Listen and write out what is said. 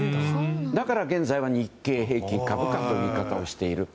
だから現在は日経平均株価という言い方をしています。